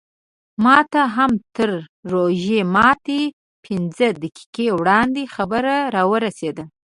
ماته هم تر روژه ماتي پینځه دقیقې وړاندې خبر راورسېد.